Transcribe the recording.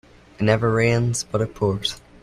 It never rains but it pours.